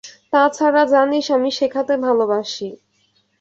তা ছাড়া জানিস আমি শেখাতে ভালোবাসি।